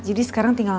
jadi sekarang tinggal